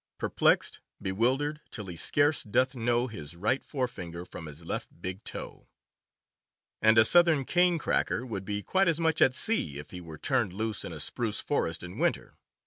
Perplexed, bewildered, till he scarce doth know His right forefinger from his left big toe. And a southern cane cracker would be quite as much at sea if he were turned loose in a spruce forest in winter.